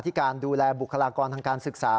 การดูแลบุคลากรทางการศึกษา